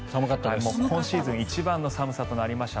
今シーズン一番の寒さとなりました。